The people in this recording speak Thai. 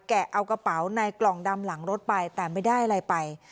เอากระเป๋าในกล่องดำหลังรถไปแต่ไม่ได้อะไรไป